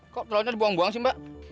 kok telurnya dibuang buang sih mbak